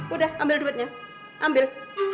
udah ambil duitnya ambil